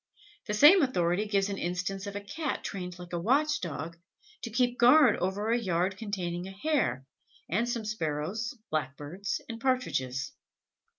The same authority gives an instance of a Cat trained like a watch dog, to keep guard over a yard containing a Hare, and some Sparrows, Blackbirds and Partridges.